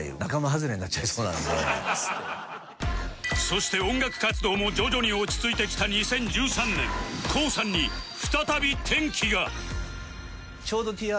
そして音楽活動も徐々に落ち着いてきた２０１３年 ＫＯＯ さんに再び転機が